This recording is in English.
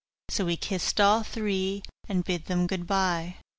So he kissed all three, and bid them goodbye.